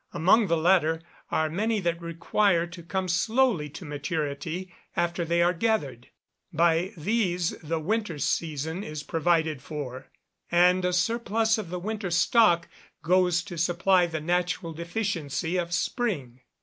Among the latter are many that require to come slowly to maturity after they are gathered; by these the winter season is provided for, and a surplus of the winter stock goes to supply the natural deficiency of spring.